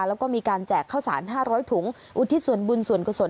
แล้วก็มีการแจกข้าวสาร๕๐๐ถุงอุทิศส่วนบุญส่วนกุศล